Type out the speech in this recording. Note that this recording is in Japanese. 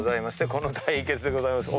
この対決でございます。